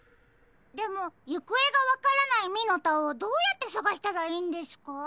でもゆくえがわからないミノタをどうやってさがしたらいいんですか？